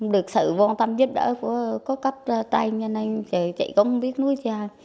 được sự quan tâm giúp đỡ của các cấp trai cho nên chị cũng biết nuôi cha